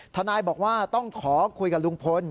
ทนายบอกว่าต้องขอคุยกับลุงพล